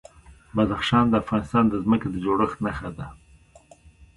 بدخشان د افغانستان د ځمکې د جوړښت نښه ده.